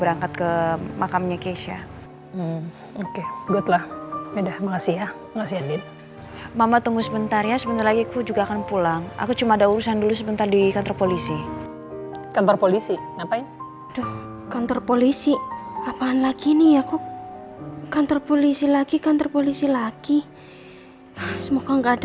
orang pake bahasa negara yang lebih baik atau kemas kerja yang lebih baik ekoso